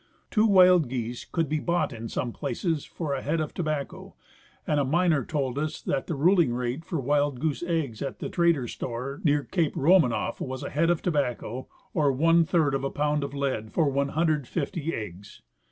Two wild geese could be bought in some places for a head of tobacco, and a miner told us that the ruling rate for wild goose eggs at the trader's store near cape Romannoff was a head of tobacco, or one third of a pound of lead for 150 eggs.